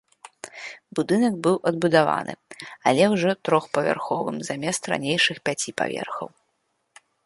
Будынак быў адбудавана, але ўжо трохпавярховым замест ранейшых пяці паверхаў.